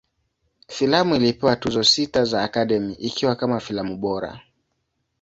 Filamu ilipewa Tuzo sita za Academy, ikiwa kama filamu bora.